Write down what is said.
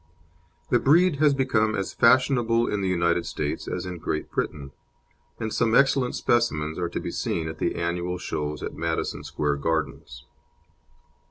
The breed has become as fashionable in the United States as in Great Britain, and some excellent specimens are to be seen at the annual shows at Madison Square Gardens.